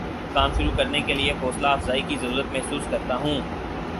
کام شروع کرنے کے لیے حوصلہ افزائی کی ضرورت محسوس کرتا ہوں